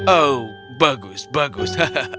oh bagus bagus